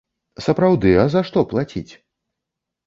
Сапраўды, а за што плаціць?